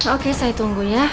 oke saya tunggu ya